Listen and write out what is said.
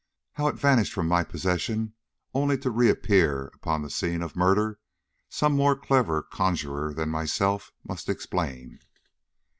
How it vanished from my possession only to reappear upon the scene of murder, some more clever conjurer than myself must explain."